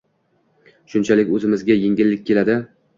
shunchalik o‘zimizga yengillik keladi.